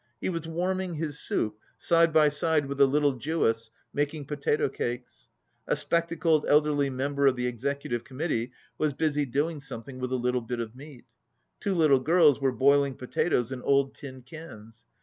He was warming his soup, side by side with a little Jewess making potato cakes. A spectacled elderly member of the Executive Committee was busy doing something with a little bit of meat. Two little girls were boiling potatoes in old tin cans.